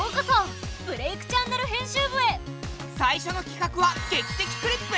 最初のきかくは「劇的クリップ」！